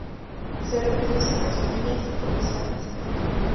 Se reproduce por semillas y por rizomas.